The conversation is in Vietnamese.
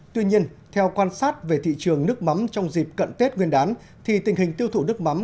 tuy nhiên theo quan sát về thị trường nước mắm trong dịp cận tết nguyên đán thì tình hình tiêu thụ nước mắm